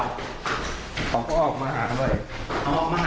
แล้วตอนเกิดเหตุยิ้มทีมันมันมียังไงครับ